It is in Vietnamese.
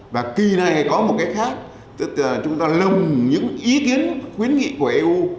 và kỳ này có một cái khác tức là chúng ta lồng những ý kiến khuyến nghị của eu